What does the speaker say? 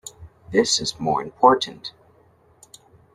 This is more important.